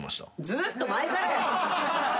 ずっと前からや！